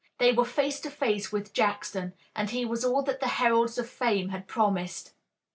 They were face to face with Jackson, and he was all that the heralds of fame had promised.